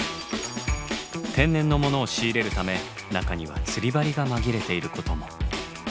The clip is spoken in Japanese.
天然のものを仕入れるため中には釣り針が紛れていることも。